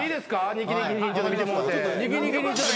ニキニキニちょっと見てもうて。